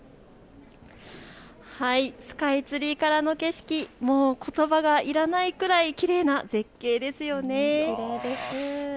スカイツリーからの景色、ことばがいらないくらいきれいな絶景ですよね。